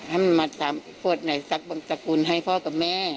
ถ้ามันมาถามพวกไหนสักบังสกุลให้พ่อกับแม่